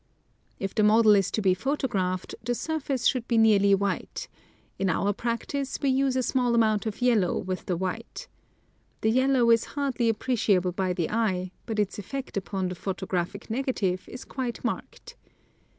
If the model is to be photographed, the surface should be nearly white — in our practice we use a small amount of yellow with the white. This yellow is hardly appreciable by the eye, but its effect upon the photographic negative is quite marked.